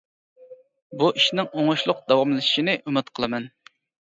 بۇ ئىشنىڭ ئوڭۇشلۇق داۋاملىشىشىنى ئۈمىد قىلىمەن.